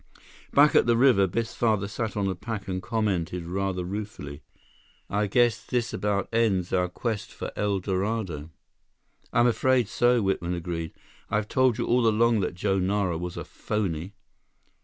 Back at the river, Biff's father sat on a pack and commented rather ruefully: "I guess this about ends our quest for El Dorado." "I'm afraid so," Whitman agreed. "I've told you all along that Joe Nara was a phony."